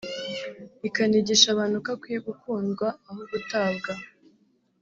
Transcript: ikanigisha abantu ko akwiye gukundwa aho gutabwa